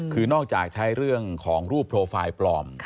คือนอกจากใช้เรื่องของรูปโปรไฟล์ปลอม